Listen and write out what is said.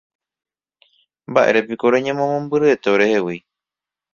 Mba'érepiko reñemomombyryete orehegui.